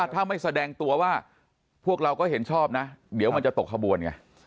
ถ้าไม่แสดงตัวว่าพวกเราก็เห็นชอบนะเดี๋ยวมันจะตกขบวนไง